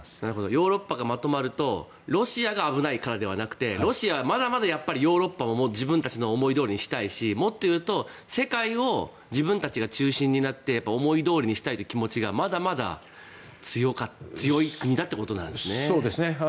ヨーロッパがまとまるとロシアが危ないからではなくてロシアはまだまだやっぱり自分たちの思いどおりにしたいしもっと言うと世界を自分たちが中心になって思いどおりにしたいというのがまだまだ強い国だということなんですね。